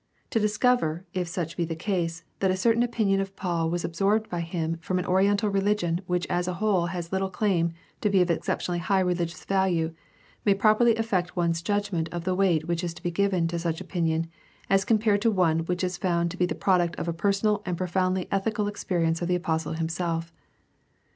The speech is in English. To discover, if such be the case, that a certain opinion of Paul was absorbed by him from an oriental religion which as a whole has little claim to be of exceptionally high religious value may properly aft'ect one's judgment of the weight which is to be given to such an opinion as compared with one which is found to be the product of a personal and profoundly ethical experience of the apostle himself.